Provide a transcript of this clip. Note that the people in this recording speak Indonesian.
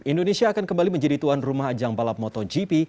indonesia akan kembali menjadi tuan rumah ajang balap motogp